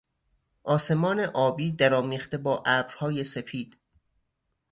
آسمان آبی درآمیخته با ابرهای سپید